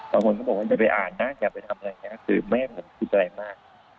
บางคนก็บอกว่าจะไปอ่านนะจะไปทำอะไรคือไม่ให้ผมคิดอะไรมาก